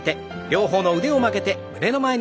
両方の腕を曲げて胸の前。